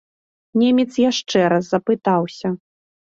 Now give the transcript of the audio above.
Немец яшчэ раз запытаўся.